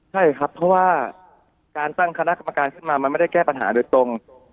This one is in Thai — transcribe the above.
ใช่ครับเพราะว่าการตั้งคณะกรรมการขึ้นมามันไม่ได้แก้ปัญหาโดยตรง